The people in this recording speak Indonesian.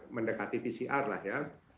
mendekati pcr lah ya